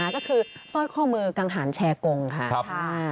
ก็คือสร้อยข้อมือกังหารแชร์กงค่ะ